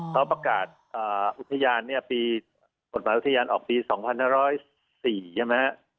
ต้องประกาศอุทยานปีอุทยานออกปี๒๑๐๔ใช่ไหม